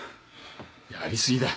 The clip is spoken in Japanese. やり過ぎだ。